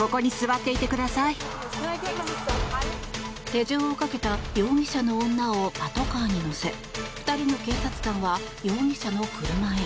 手錠をかけた容疑者の女をパトカーに乗せ２人の警察官は容疑者の車へ。